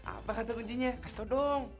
apa kata kuncinya kasih tau dong